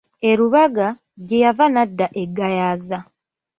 E Lubaga, gye yava n'adda e Gayaza.